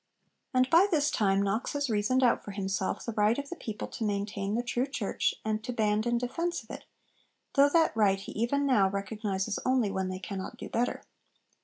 And by this time Knox has reasoned out for himself the right of the people to maintain the true Church, and to band in defence of it though that right he even now recognises only when they cannot do better.